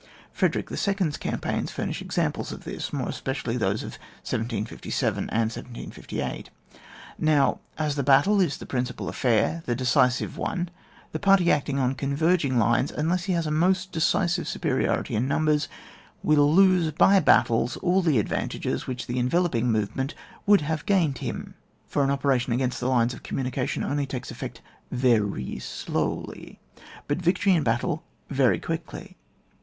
Frederick II.'s campaigns fur nish examples of this, more especially those of 1757 and 1758. Now as the battle is the principle affair, the deqisive one, the party acting on converging lines, unless he has a most decisive superiority in numbers, will lose by battles all the advantages which the enveloping movement would have gained for him; for an operation against the lines of communication only takes effect very slowly, but victory in the battle very quickly.